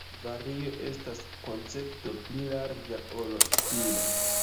Vario estas koncepto pli larĝa ol stilo.